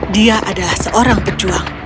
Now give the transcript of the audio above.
dia adalah seorang perjuang